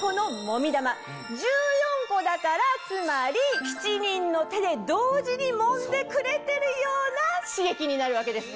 １４個だからつまり７人の手で同時にもんでくれてるような刺激になるわけですね。